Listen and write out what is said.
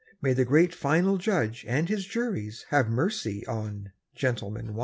May the great Final Judge and His juries Have mercy on "Gentleman, One"!